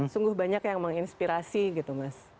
sungguh banyak yang menginspirasi gitu mas